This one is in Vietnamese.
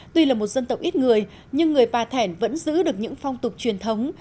tuy là một dân tộc ít người nhưng người bà thẻn vẫn giữ được những phong tục truyền thống